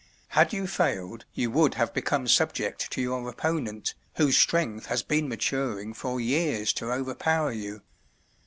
Had you failed, you would have become subject to your opponent, whose strength has been maturing for years to overpower you.